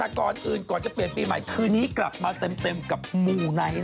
แต่ก่อนอื่นก่อนจะเปลี่ยนปีใหม่คืนนี้กลับมาเต็มกับมูไนท์